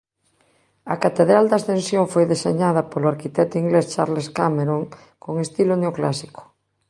A catedral da Ascensión foi deseñada polo arquitecto inglés Charles Cameron con estilo neoclásico.